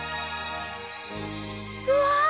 うわ！